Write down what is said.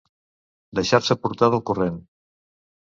Deixar-se portar del corrent.